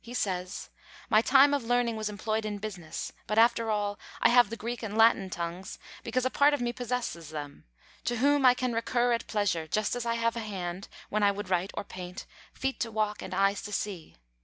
He says, "My time of learning was employed in business; but after all, I have the Greek and Latin tongues, because a part of me possesses them, to whom I can recur at pleasure, just as I have a hand when I would write or paint, feet to walk, and eyes to see.